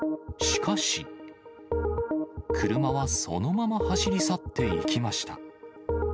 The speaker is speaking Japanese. しかし、車はそのまま走り去っていきました。